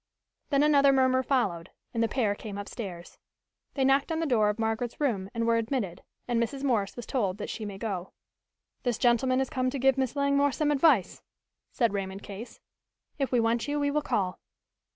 Then another murmur followed and the pair came upstairs. They knocked on the door of Margaret's room and were admitted, and Mrs. Morse was told that she might go. "This gentleman has come to give Miss Langmore some advice," said Raymond Case. "If we want you we will call."